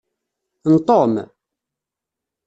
N Tom?